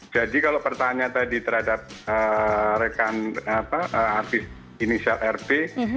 jadi kalau pertanyaan tadi terhadap rekan artis inisial rb